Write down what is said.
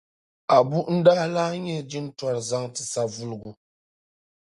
Abu n-daa lahi nyɛla jintori zaŋti Savulugu.